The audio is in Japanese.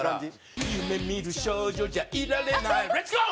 「夢見る少女じゃいられないレッツゴー！」